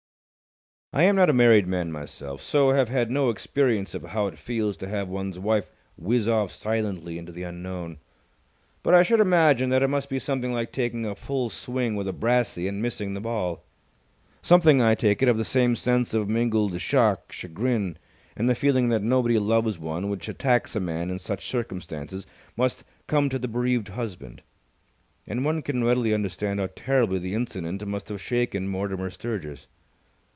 I am not a married man myself, so have had no experience of how it feels to have one's wife whizz off silently into the unknown; but I should imagine that it must be something like taking a full swing with a brassey and missing the ball. Something, I take it, of the same sense of mingled shock, chagrin, and the feeling that nobody loves one, which attacks a man in such circumstances, must come to the bereaved husband. And one can readily understand how terribly the incident must have shaken Mortimer Sturgis.